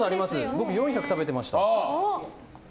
僕、４００食べてました。